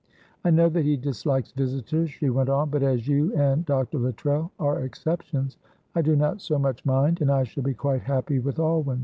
I know that he dislikes visitors," she went on, "but, as you and Dr. Luttrell are exceptions, I do not so much mind, and I shall be quite happy with Alwyn."